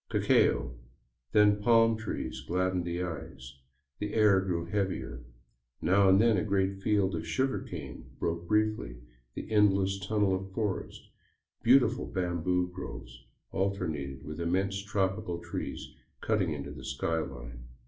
Cacao, then palm trees gladdened the eyes ; the air grew heavier; now and then a great field of sugar cane broke briefly the endless tunnel of forest; beautiful bamboo groves alternated with immense tropical trees cutting into the sky line.